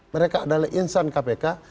mereka adalah insan kpk